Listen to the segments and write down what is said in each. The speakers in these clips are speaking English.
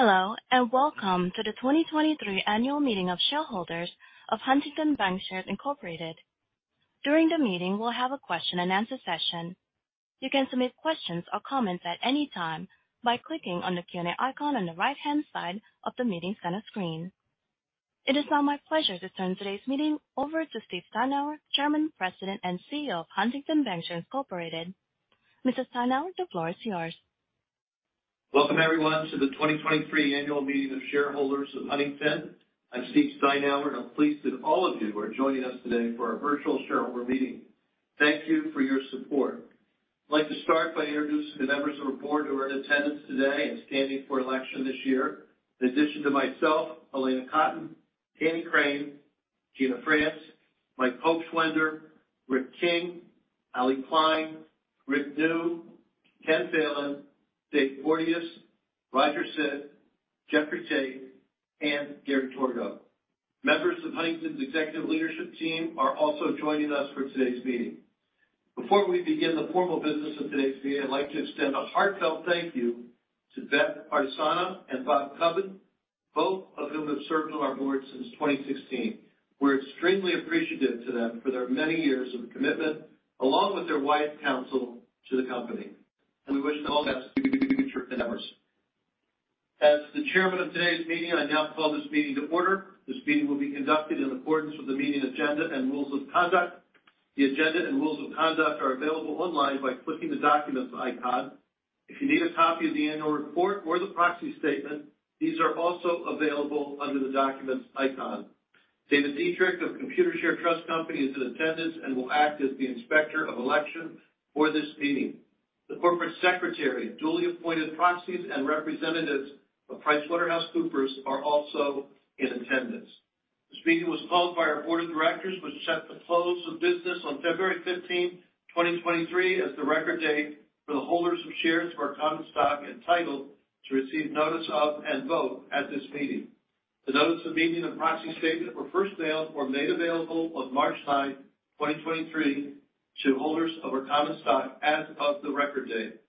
Hello, welcome to the 2023 Annual Meeting of Shareholders of Huntington Bancshares Incorporated. During the meeting, we'll have a question and answer session. You can submit questions or comments at any time by clicking on the Q&A icon on the right-hand side of the meeting center screen. It is now my pleasure to turn today's meeting over to Steve Steinour, Chairman, President, and CEO of Huntington Bancshares Incorporated. Mr. Steinour, the floor is yours. Welcome, everyone, to the 2023 Annual Meeting of Shareholders of Huntington. I'm Steve Steinour. I'm pleased that all of you are joining us today for our virtual shareholder meeting. Thank you for your support. I'd like to start by introducing the members of the board who are in attendance today and standing for election this year. In addition to myself, Alanna Cotton, Tanny Crane, Gina France, Mike Hochschwender, Rick King, Allie Kline, Rick Neu, Ken Phelan, Dave Porteous, Roger Sit, Jeffrey Tate, and Gary Torgow. Members of Huntington's executive leadership team are also joining us for today's meeting. Before we begin the formal business of today's meeting, I'd like to extend a heartfelt thank you to Beth Ardisana and Bob Cubbin, both of whom have served on our board since 2016. We're extremely appreciative to them for their many years of commitment, along with their wise counsel to the company, and we wish them all the best in their future endeavors. As the chairman of today's meeting, I now call this meeting to order. This meeting will be conducted in accordance with the meeting agenda and rules of conduct. The agenda and rules of conduct are available online by clicking the Documents icon. If you need a copy of the annual report or the proxy statement, these are also available under the Documents icon. David Dietrich of Computershare Trust Company is in attendance and will act as the Inspector of Election for this meeting. The corporate secretary, duly appointed proxies, and representatives of PricewaterhouseCoopers are also in attendance. This meeting was called by our board of directors, which set the close of business on February 15th, 2023 as the record date for the holders of shares of our common stock entitled to receive notice of and vote at this meeting. The notice of meeting and proxy statement were first mailed or made available on March 9th, 2023 to holders of our common stock as of the record date.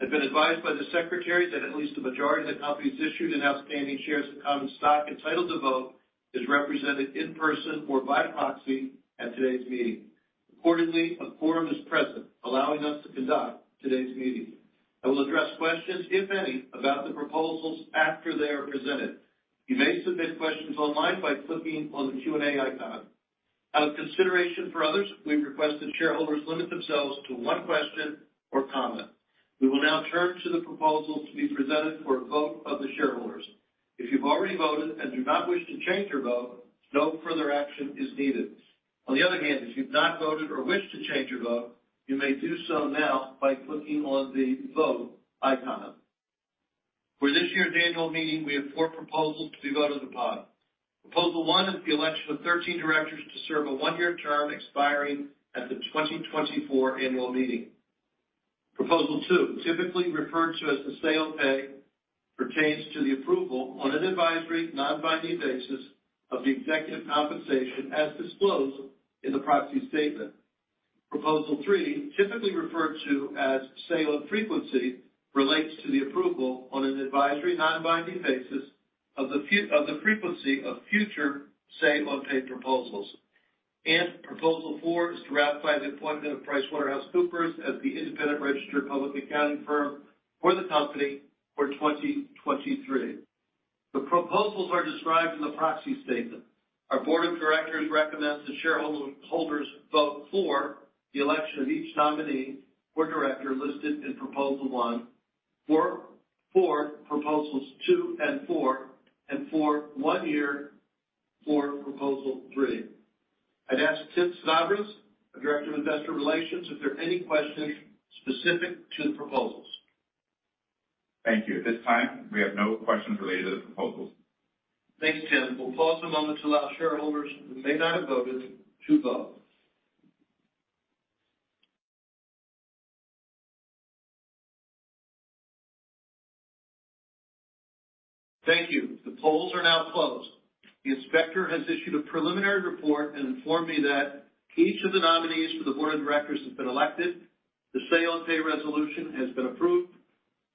I've been advised by the secretary that at least a majority of the company's issued and outstanding shares of common stock entitled to vote is represented in person or by proxy at today's meeting. A forum is present, allowing us to conduct today's meeting. I will address questions, if any, about the proposals after they are presented. You may submit questions online by clicking on the Q&A icon. Out of consideration for others, we request that shareholders limit themselves to one question or comment. We will now turn to the proposals to be presented for a vote of the shareholders. If you've already voted and do not wish to change your vote, no further action is needed. On the other hand, if you've not voted or wish to change your vote, you may do so now by clicking on the Vote icon. For this year's annual meeting, we have four proposals to be voted upon. Proposal one is the election of 13 directors to serve a one-year term expiring at the 2024 annual meeting. Proposal two, typically referred to as the say on pay, pertains to the approval on an advisory, non-binding basis of the executive compensation as disclosed in the proxy statement. Proposal three, typically referred to as say on frequency, relates to the approval on an advisory, non-binding basis of the frequency of future say on pay proposals. Proposal four is to ratify the appointment of PricewaterhouseCoopers as the independent registered public accounting firm for the company for 2023. The proposals are described in the proxy statement. Our board of directors recommends that shareholders vote for the election of each nominee for director listed in proposal one, for proposals two and four, and for one year for proposal three. I'd ask Tim Sedabres, our Director of Investor Relations, if there are any questions specific to the proposals. Thank you. At this time, we have no questions related to the proposals. Thanks, Tim. We'll pause a moment to allow shareholders who may not have voted to vote. Thank you. The polls are now closed. The inspector has issued a preliminary report and informed me that each of the nominees for the board of directors has been elected. The say on pay resolution has been approved.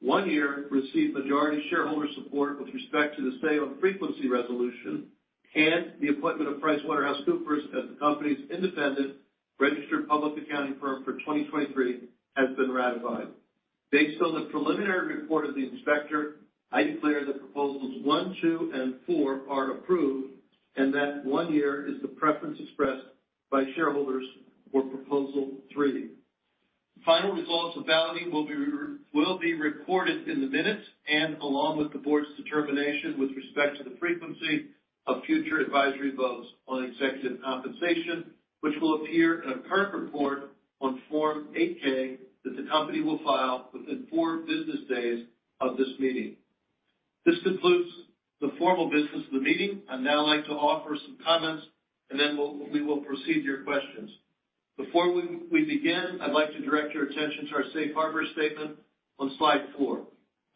One year received majority shareholder support with respect to the say on frequency resolution and the appointment of PricewaterhouseCoopers as the company's independent registered public accounting firm for 2023 has been ratified. Based on the preliminary report of the inspector, I declare that proposals one, two, and four are approved and that one year is the preference expressed by shareholders for proposal three. Final results of balloting will be recorded in the minutes and along with the board's determination with respect to the frequency of future advisory votes on executive compensation, which will appear in a current report on Form 8-K that the company will file within 4 business days of this meeting. This concludes the formal business of the meeting. I'd now like to offer some comments, and then we will proceed to your questions. Before we begin, I'd like to direct your attention to our safe harbor statement on slide four.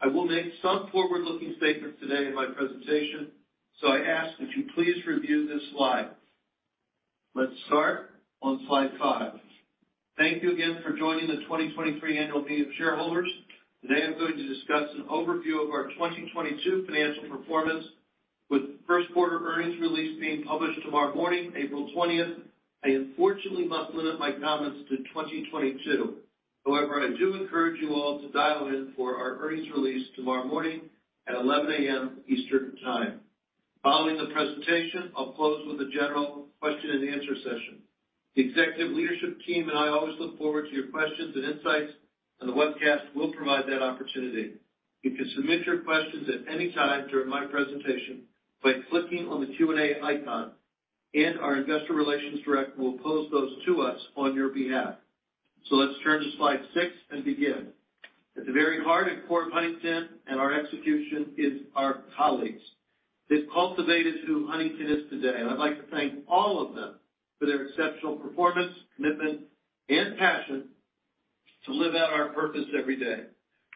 I will make some forward-looking statements today in my presentation, I ask that you please review this slide. Let's start on slide five. Thank you again for joining the 2023 Annual Meeting of Shareholders. Today, I'm going to discuss an overview of our 2022 financial performance. With first quarter earnings release being published tomorrow morning, April 20th, I unfortunately must limit my comments to 2022. I do encourage you all to dial in for our earnings release tomorrow morning at 11:00 A.M. Eastern Time. Following the presentation, I'll close with a general question and answer session. The executive leadership team and I always look forward to your questions and insights. The webcast will provide that opportunity. You can submit your questions at any time during my presentation by clicking on the Q&A icon. Our investor relations director will pose those to us on your behalf. Let's turn to slide six and begin. At the very heart and core of Huntington and our execution is our colleagues. They've cultivated who Huntington is today, and I'd like to thank all of them for their exceptional performance, commitment, and passion to live out our purpose every day.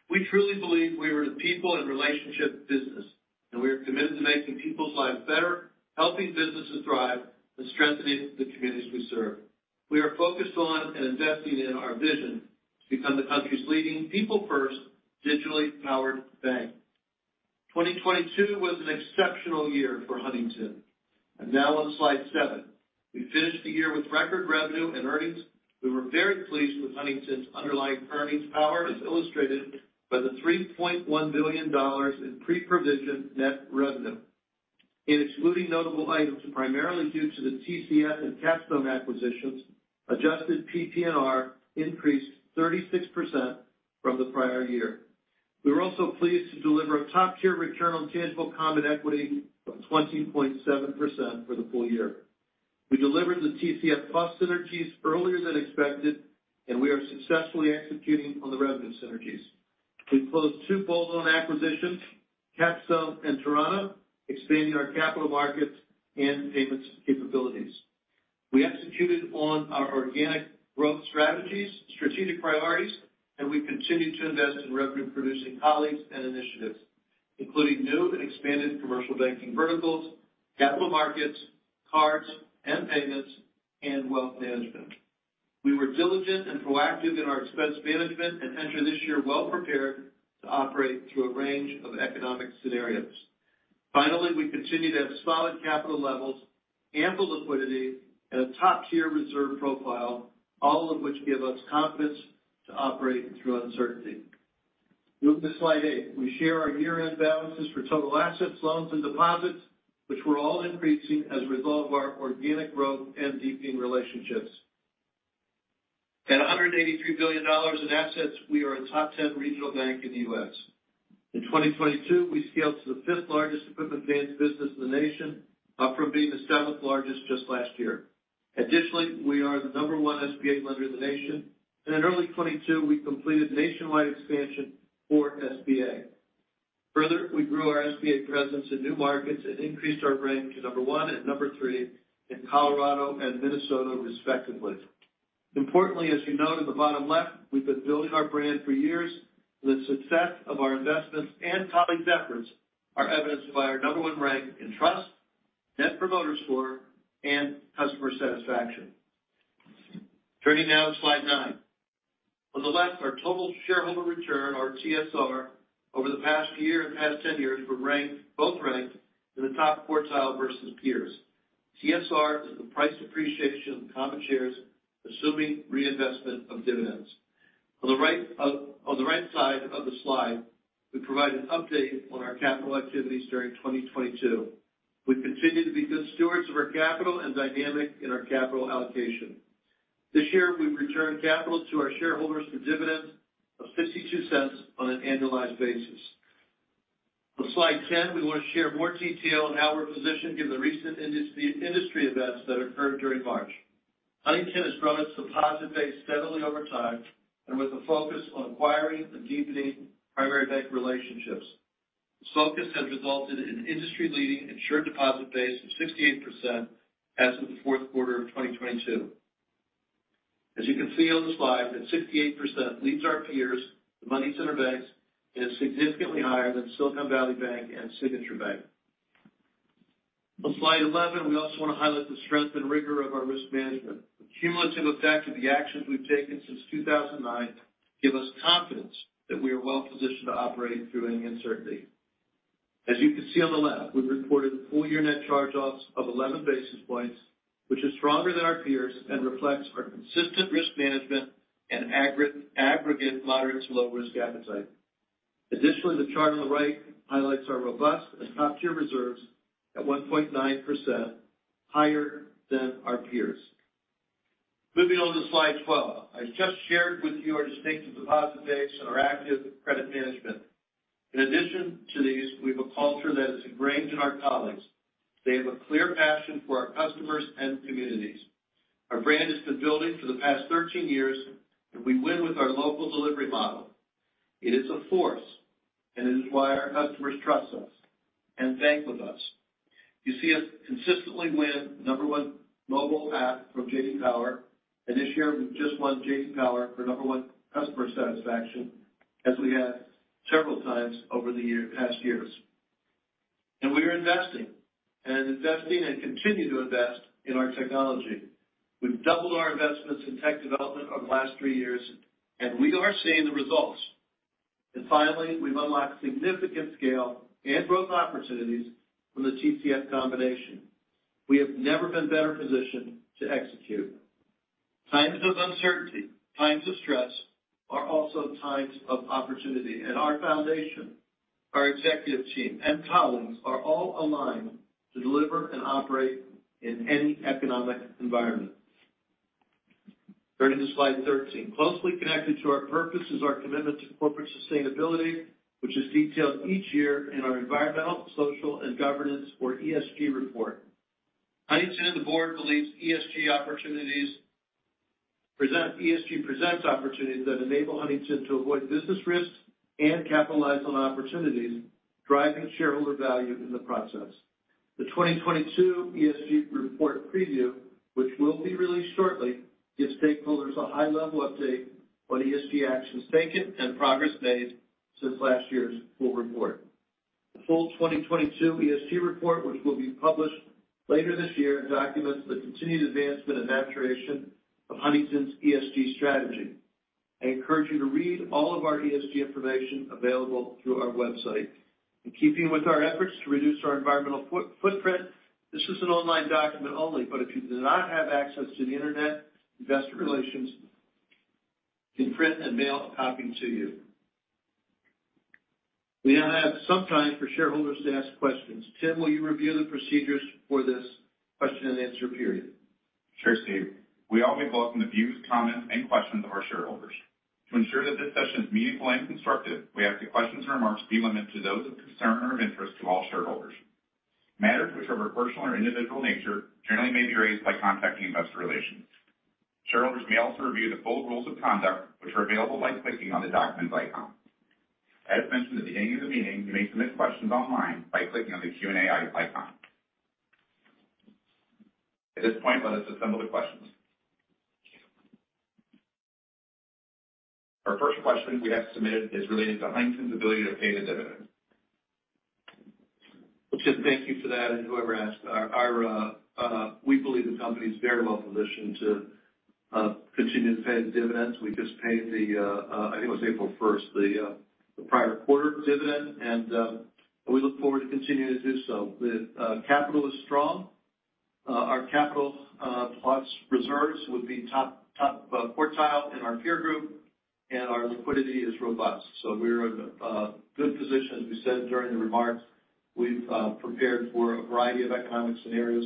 We truly believe we are the people in relationship business, and we are committed to making people's lives better, helping businesses thrive, and strengthening the communities we serve. We are focused on and investing in our vision to become the country's leading people first digitally powered bank. 2022 was an exceptional year for Huntington. Now on slide seven. We finished the year with record revenue and earnings. We were very pleased with Huntington's underlying earnings power as illustrated by the $3.1 billion in pre-provision net revenue. In excluding notable items primarily due to the TCF and Capstone acquisitions, adjusted PPNR increased 36% from the prior year. We were also pleased to deliver a top-tier return on tangible common equity of 20.7% for the full year. We delivered the TCF cost synergies earlier than expected, and we are successfully executing on the revenue synergies. We closed two bold on acquisitions, Capstone and Torana, expanding our capital markets and payments capabilities. We executed on our organic growth strategies, strategic priorities, and we continued to invest in revenue producing colleagues and initiatives, including new and expanded commercial banking verticals, capital markets, cards and payments, and wealth management. We were diligent and proactive in our expense management and enter this year well prepared to operate through a range of economic scenarios. Finally, we continue to have solid capital levels, ample liquidity, and a top-tier reserve profile, all of which give us confidence to operate through uncertainty. Moving to slide eight. We share our year-end balances for total assets, loans and deposits, which were all increasing as a result of our organic growth and deepening relationships. At $183 billion in assets, we are a top 10 regional bank in the U.S. In 2022, we scaled to the fifth largest equipment finance business in the nation, up from being the seventh largest just last year. Additionally, we are the number one SBA lender in the nation, and in early 2022, we completed nationwide expansion for SBA. Further, we grew our SBA presence in new markets and increased our rank to number one and number three in Colorado and Minnesota, respectively. Importantly, as you note in the bottom left, we've been building our brand for years. The success of our investments and colleagues' efforts are evidenced by our number 1 rank in trust, Net Promoter Score, and customer satisfaction. Turning now to slide nine. On the left, our total shareholder return or TSR over the past year and past 10 years were ranked, both ranked in the top quartile versus peers. TSR is the price appreciation of common shares, assuming reinvestment of dividends. On the right, on the right side of the slide, we provide an update on our capital activities during 2022. We continue to be good stewards of our capital and dynamic in our capital allocation. This year, we've returned capital to our shareholders through dividends of $0.52 on an annualized basis. On slide 10, we want to share more detail on how we're positioned given the recent industry events that occurred during March. Huntington has grown its deposit base steadily over time and with a focus on acquiring and deepening primary bank relationships. This focus has resulted in an industry-leading insured deposit base of 68% as of the fourth quarter of 2022. As you can see on the slide, that 68% leads our peers, the money center banks, and is significantly higher than Silicon Valley Bank and Signature Bank. On slide 11, we also want to highlight the strength and rigor of our risk management. The cumulative effect of the actions we've taken since 2009 give us confidence that we are well positioned to operate through any uncertainty. As you can see on the left, we've reported full year net charge-offs of 11 basis points, which is stronger than our peers and reflects our consistent risk management and aggregate moderate to low risk appetite. Additionally, the chart on the right highlights our robust and top-tier reserves at 1.9% higher than our peers. Moving on to slide 12. I just shared with you our distinctive deposit base and our active credit management. In addition to these, we have a culture that is ingrained in our colleagues. They have a clear passion for our customers and communities. Our brand has been building for the past 13 years, and we win with our local delivery model. It is a force, and it is why our customers trust us and bank with us. You see us consistently win number one mobile app from J.D. Power, and this year we've just won J.D. Power for number one customer satisfaction as we have several times over the past years. We are investing and continue to invest in our technology. We've doubled our investments in tech development over the last three years, and we are seeing the results. Finally, we've unlocked significant scale and growth opportunities from the TCF combination. We have never been better positioned to execute. Times of uncertainty, times of stress are also times of opportunity. Our foundation, our executive team, and colleagues are all aligned to deliver and operate in any economic environment. Turning to slide 13. Closely connected to our purpose is our commitment to corporate sustainability, which is detailed each year in our environmental, social, and governance or ESG report. Huntington and the board believes ESG presents opportunities that enable Huntington to avoid business risks and capitalize on opportunities, driving shareholder value in the process. The 2022 ESG report preview, which will be released shortly, gives stakeholders a high-level update on ESG actions taken and progress made since last year's full report. The full 2022 ESG report, which will be published later this year, documents the continued advancement and maturation of Huntington's ESG strategy. I encourage you to read all of our ESG information available through our website. In keeping with our efforts to reduce our environmental footprint, this is an online document only. If you do not have access to the internet, investor relations can print and mail a copy to you. We now have some time for shareholders to ask questions. Tim, will you review the procedures for this question and answer period? Sure, Steve. We always welcome the views, comments, and questions of our shareholders. To ensure that this session is meaningful and constructive, we ask that questions and remarks be limited to those of concern or of interest to all shareholders. Matters which are of a personal or individual nature generally may be raised by contacting investor relations. Shareholders may also review the full rules of conduct, which are available by clicking on the Documents icon. As mentioned at the beginning of the meeting, you may submit questions online by clicking on the Q&A icon. At this point, let us assemble the questions. Our first question we have submitted is related to Huntington's ability to pay the dividend. Well, Tim, thank you for that and whoever asked. Our, we believe the company is very well positioned to continue to pay the dividends. We just paid the, I think it was April first, the prior quarter dividend, and we look forward to continuing to do so. The capital is strong. Our capital plus reserves would be top quartile in our peer group, and our liquidity is robust. We're in a good position. As we said during the remarks, we've prepared for a variety of economic scenarios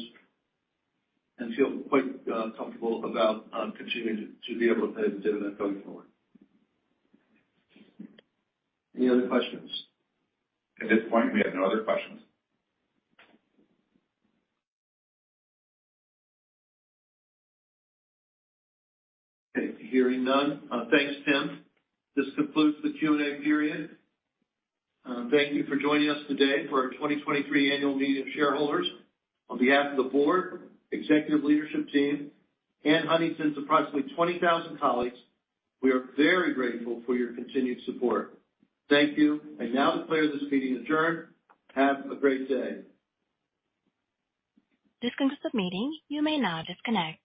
and feel quite comfortable about continuing to be able to pay the dividend going forward. Any other questions? At this point, we have no other questions. Okay. Hearing none. thanks, Tim. This concludes the Q&A period. Thank you for joining us today for our 2023 annual meeting of shareholders. On behalf of the board, executive leadership team, and Huntington's approximately 20,000 colleagues, we are very grateful for your continued support. Thank you. I now declare this meeting adjourned. Have a great day. This concludes the meeting. You may now disconnect.